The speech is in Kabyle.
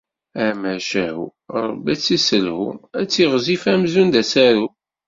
Amacahu, Rebbi ad tt-isselhu, ad tiɣzif amzun d asaru.